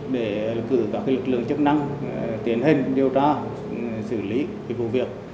để cử các lực lượng chức năng tiến hành điều tra xử lý vụ việc